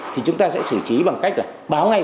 thì chúng ta sẽ xử trí bằng cách là